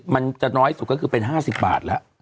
มันจะน้อยสุดก็คือเป็น๕๐บาทแล้ว